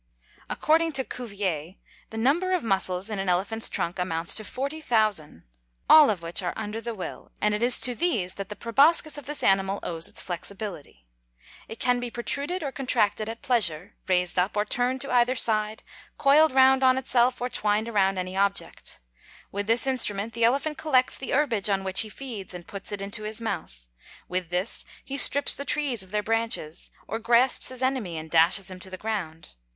According to Cuvier, the number of muscles, in an elephant's trunk, amounts to forty thousand, all of which are under the will, and it is to these that the proboscis of this animal owes its flexibility. It can be protruded or contracted at pleasure, raised up or turned to either side, coiled round on itself or twined around any object. With this instrument the elephant collects the herbage on which he feeds and puts it into his mouth; with this he strips the trees of their branches, or grasps his enemy and dashes him to the ground.